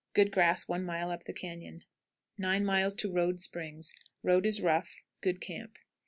Good grass one mile up the cañon. 9. Road Springs. Road is rough; good camp.